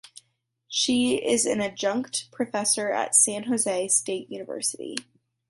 She is an adjunct professor at San Jose State University.